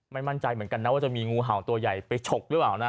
ไม่มั่นใจเหมือนกันนะว่าจะมีงูเห่าตัวใหญ่ไปฉกหรือเปล่านะ